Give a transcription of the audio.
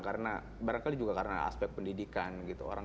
karena barangkali juga karena aspek pendidikan gitu